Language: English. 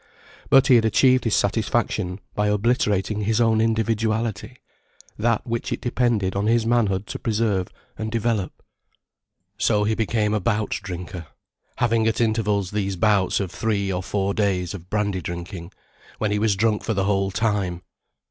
But he had achieved his satisfaction by obliterating his own individuality, that which it depended on his manhood to preserve and develop. So he became a bout drinker, having at intervals these bouts of three or four days of brandy drinking, when he was drunk for the whole time.